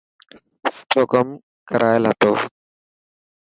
سٺو ڪم ڪرائل هتو.